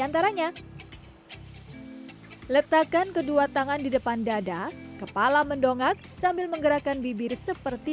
antaranya letakkan kedua tangan di depan dada kepala mendongak sambil menggerakkan bibir seperti